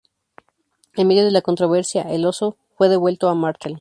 En medio de la controversia, el oso fue devuelto a Martell.